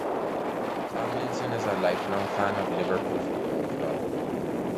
Tomlinson is a lifelong fan of Liverpool Football Club.